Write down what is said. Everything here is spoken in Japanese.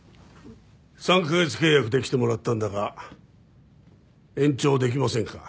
３カ月契約で来てもらったんだが延長できませんか？